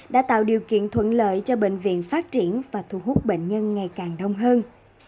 đã tạo điều kiện thuận lợi cho bệnh viện phát triển và thu hút bệnh nhân ngày càng đông hơn